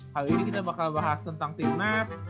hal ini kita bakal bahas tentang timnas